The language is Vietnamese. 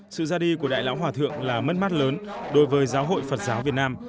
sự ra đi của đại lão hòa thượng là mất mát lớn đối với giáo hội phật giáo việt nam